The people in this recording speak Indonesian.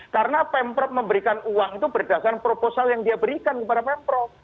karena pemprov memberikan uang itu berdasarkan proposal yang dia berikan kepada pemprov